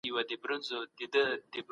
خیرات د انساني همدردۍ نښه ده.